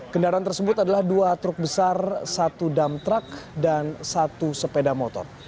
kendaraan tersebut adalah dua truk besar satu dump truck dan satu sepeda motor